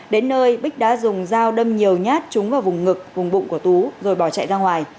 đến nơi bích đã dùng dao đâm nhiều nhát trúng vào vùng ngực vùng bụng của tú rồi bỏ chạy ra ngoài